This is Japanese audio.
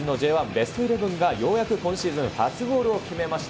ベストイレブンがようやく今シーズン初ゴールを決めました。